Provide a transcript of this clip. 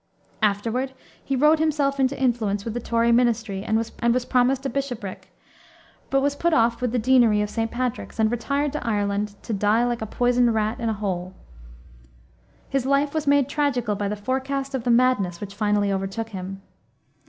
Afterward he wrote himself into influence with the Tory ministry, and was promised a bishopric, but was put off with the deanery of St. Patrick's, and retired to Ireland to "die like a poisoned rat in a hole." His life was made tragical by the forecast of the madness which finally overtook him.